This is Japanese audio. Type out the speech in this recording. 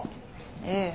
ええ。